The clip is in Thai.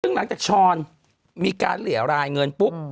ซึ่งหลังจากช้อนมีการเหลี่ยรายเงินปุ๊บ